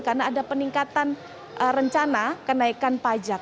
karena ada peningkatan rencana kenaikan pajak